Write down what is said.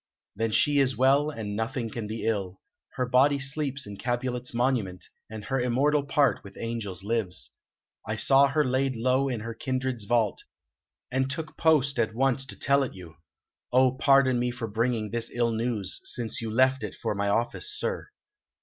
"Then she is well, and nothing can be ill. Her body sleeps in Capulet's monument, and her immortal part with angels lives. I saw her laid low in her kindred's vault, and took post at once to tell it you. Oh, pardon me for bringing this ill news, since you left it for my office, sir."